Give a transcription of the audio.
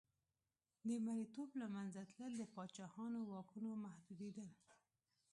د مریتوب له منځه تلل د پاچاهانو واکونو محدودېدل.